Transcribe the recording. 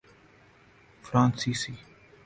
فرانسیسی